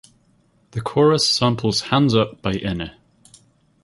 The chorus samples "Hands Up" by Inna.